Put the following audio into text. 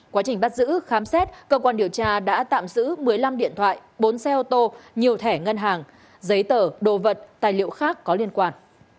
quá trình bắt giữ khám xét cơ quan điều tra đã tạm giữ một mươi năm điện thoại bốn xe ô tô nhiều thẻ ngân hàng giấy tờ đồ vật tài liệu khác có liên quan